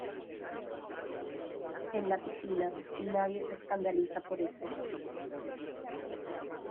en la piscina y nadie se escandaliza por eso.